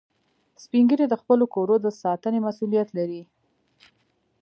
سپین ږیری د خپلو کورو د ساتنې مسئولیت لري